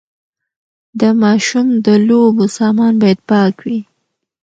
د ماشوم د لوبو سامان باید پاک وي۔